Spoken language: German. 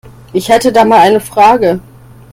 Ich hätte da mal eine Frage.